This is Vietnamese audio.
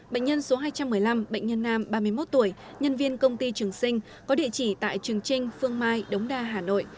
bệnh nhân số hai trăm một mươi năm bệnh nhân nam ba mươi một tuổi nhân viên công ty trường sinh có địa chỉ tại trường trinh phương mai đống đa hà nội